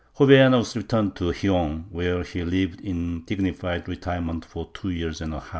Jovellanos returned to Gijon where he lived in dignified retirement for two years and a half.